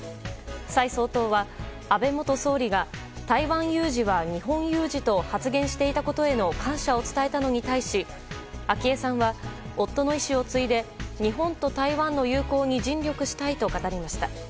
蔡総統は安倍元総理が台湾有事は日本有事と発言していたことへの感謝を伝えたのに対し昭恵さんは、夫の遺志を継いで日本と台湾の友好に尽力したいと語りました。